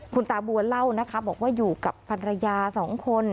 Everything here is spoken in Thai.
คุณตาบัวเล่านะคะบอกว่าอยู่กับภรรยาสองคน